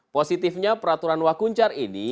positifnya peraturan wah kuncar ini